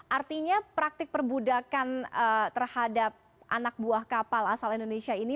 artinya praktik perbudakan terhadap anak buah kapal asal indonesia ini